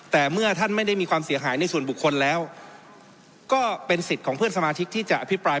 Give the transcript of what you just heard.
แต่เมื่อท่านไม่ได้มีความเสียหายในส่วนบุคคลแล้วก็เป็นสิทธิ์ของเพื่อนสมาชิกที่จะอภิปราย